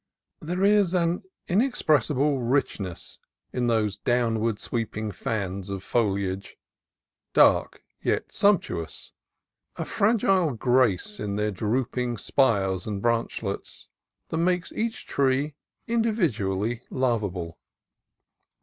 There is an inexpressible richness in those downward sweeping fans of foliage, dark yet sumptuous, a fragile grace in their drooping spires and branchlets, that makes each tree individ ually lovable.